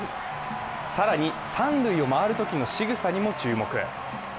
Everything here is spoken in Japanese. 更に、三塁を回るときのしぐさにも注目。